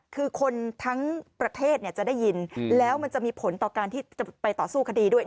คือคนทั้งประเทศจะได้ยินแล้วมันจะมีผลต่อการที่จะไปต่อสู้คดีด้วย